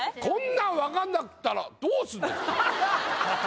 こんなん分かんなかったらどうすんのよ